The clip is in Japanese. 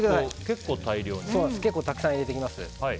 結構たくさん入れていきます。